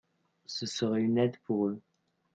Ce serait une aide pour eux.